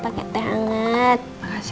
pakai teh hangat